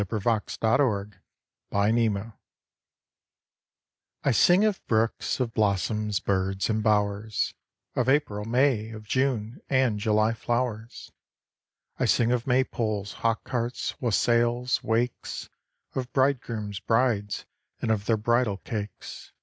THE ARGUMENT OF HIS BOOK I sing of brooks, of blossoms, birds, and bowers, Of April, May, of June, and July flowers; I sing of May poles, hock carts, wassails, wakes, Of bride grooms, brides, and of their bridal cakes.